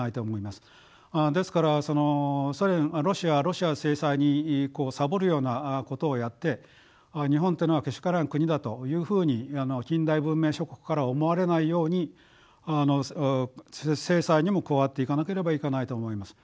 ですからロシア制裁にサボるようなことをやって日本というのはけしからん国だというふうに近代文明諸国から思われないように制裁にも加わっていかなければいけないと思います。